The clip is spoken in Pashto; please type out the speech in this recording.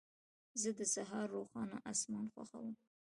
زه د سهار روښانه اسمان خوښوم.